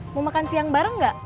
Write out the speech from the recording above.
mau makan siang bareng gak